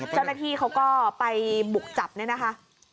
เจ้าหน้าที่เขาก็ไปบุกจับเนี่ยนะคะ